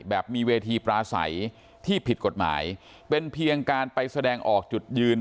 แบบมีเวทีปลาใสที่ผิดกฎหมายเป็นเพียงการไปแสดงออกจุดยืน